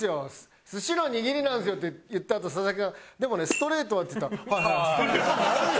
「寿司の握りなんですよ」って言ったあと佐々木さんが「でもねストレートは」っつったら「はいはいストレート」。